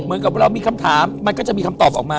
เหมือนกับเรามีคำถามมันก็จะมีคำตอบออกมา